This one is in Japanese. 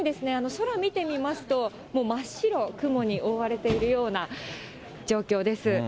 空見てみますと、もう真っ白、雲に覆われているような状況です。